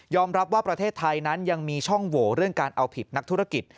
รับว่าประเทศไทยนั้นยังมีช่องโหวเรื่องการเอาผิดนักธุรกิจ